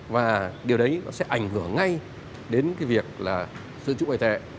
và điều đấy sẽ ảnh hưởng ngay đến việc sử dụng ngoại tệ